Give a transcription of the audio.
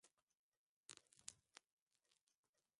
wote walisimama imara mbele ya vitisho Wengi wakatoa sadaka mbele